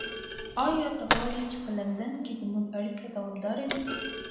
ایا ته غواړې چې په لندن کې زموږ اړیکه دوامداره وي؟